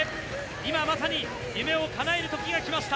今、まさに夢をかなえる時が来ました。